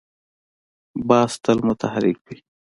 باز تل متحرک وي